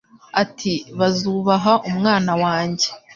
ati : Bazubaha Umwana wanjye.